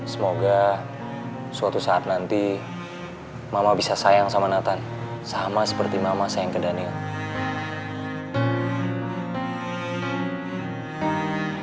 semoga suatu saat nanti mama bisa sayang sama nathan sama seperti mama saya yang ke daniel